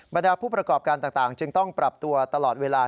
ดาผู้ประกอบการต่างจึงต้องปรับตัวตลอดเวลา